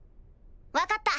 分かった！